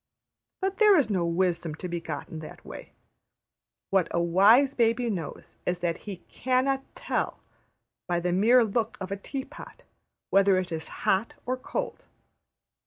But there is no wisdom to be got in that way. What a wise baby knows is that he \emph{cannot tell}, by the mere look of a tea pot, whether it is hot or cold.